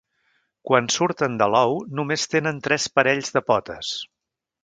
Quan surten de l'ou només tenen tres parells de potes.